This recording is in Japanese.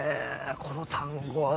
この単語は。